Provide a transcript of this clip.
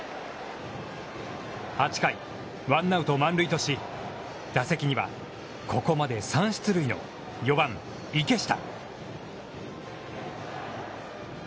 ８回ワンアウト、満塁とし、打席にはここまで３出塁の４番池下。